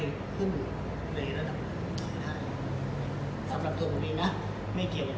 ที่เขาทิ้งไว้นะครับผมก็ประมาณคร่าวนะครับผมก็ไม่สับสนิทนะครับ